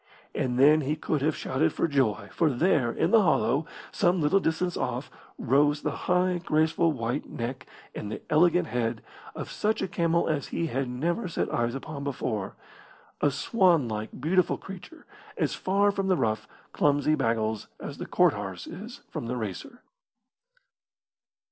And then he could have shouted for joy, for there, in the hollow, some little distance off, rose the high, graceful white neck and the elegant head of such a camel as he had never set eyes upon before a swanlike, beautiful creature, as far from the rough, clumsy baggles as the cart horse is from the racer.